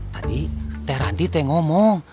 tadi teh ranti teh ngomong